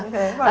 đúng rồi ạ